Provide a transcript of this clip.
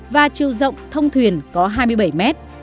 và chiều rộng thông thuyền có hai mươi bảy mét